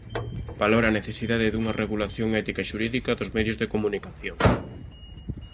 Valora a necesidade dunha regulación ética e xurídica dos medios de comunicación.